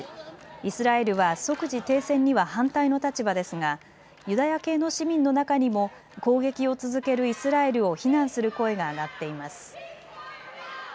イスラエルは即時停戦には反対の立場ですがユダヤ系の市民の中にも攻撃を続けるイスラエルを非難する声が上がっています。